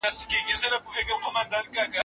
مدرسې بايد يوازې ديني زده کړې نه وای ورکولای.